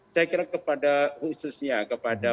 saya kira khususnya kepada